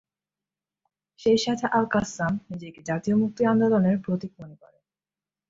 সেই সাথে আল-কাসসাম নিজেকে জাতীয় মুক্তি আন্দোলনের প্রতীক মনে করে।